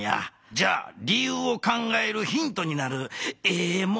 じゃありゆうを考えるヒントになるええもん見せたるわ。